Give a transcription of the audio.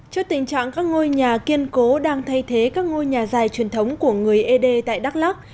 trước tình trạng các ngôi nhà kiên cố đang thay thế các ngôi nhà dài truyền thống của người ế đê tại đắk lắc